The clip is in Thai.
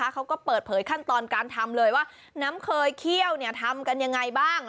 เขาก็เปิดเผยขั้นตอนการทำเลยว่าน้ำเคยเคี่ยวทำกันยังไงบ้าง